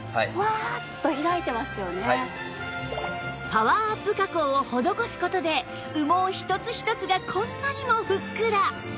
パワーアップ加工を施す事で羽毛一つ一つがこんなにもふっくら！